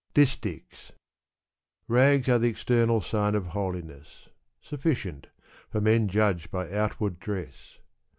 DisHchs. Rags are the external sign of holiness ; Sufficient — for men judge by outward dress.